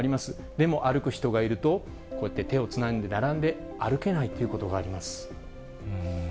でも歩く人がいると、こうやって手をつないで並んで歩けないということがあります。